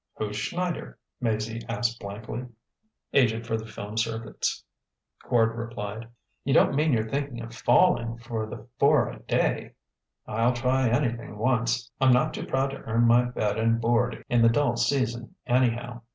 "Who's Schneider?" Maizie asked blankly. "Agent for the film circuits," Quard replied. "You don't mean you're thinkin' of fallin' for the four a day!" "I'll try anything once; I'm not too proud to earn my bed and board in the dull season, anyhow.